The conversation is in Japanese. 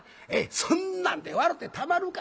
「そんなんで笑てたまるか」。